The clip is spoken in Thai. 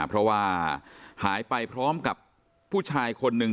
เพราะว่าหายไปพร้อมกับผู้ชายคนหนึ่ง